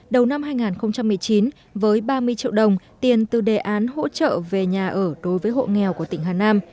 đầu năm hai nghìn một mươi chín với ba mươi triệu đồng tiền từ đề án hỗ trợ về nhà ở đối với hộ nghèo của tỉnh hà nam